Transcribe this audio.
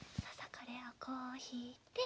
これをこうひいて。